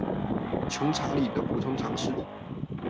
窮查理的普通常識